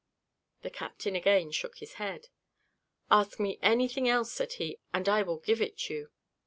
The captain again shook his head. "Ask me anything else," said he, "and I will give it you."